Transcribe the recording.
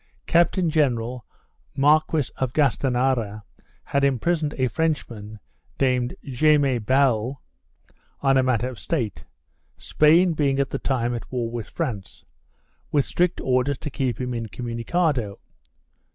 Captain general Marquis of Gastanara, had imprisoned a French man named Jaime Balle, on a matter of state, Spain being at the time at war with France, with strict orders to keep him irico municado.